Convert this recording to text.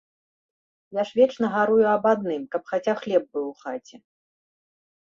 Я ж вечна гарую аб адным, каб хаця хлеб быў у хаце.